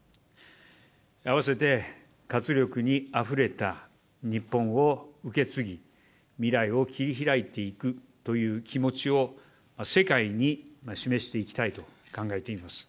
併せて、活力にあふれた日本を受け継ぎ、未来を切り開いていくという気持ちを、世界に示していきたいと考えています。